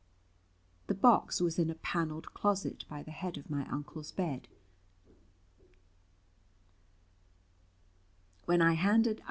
The box was in a panelled closet by the head of my Uncle's bed.